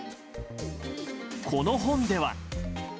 この本では。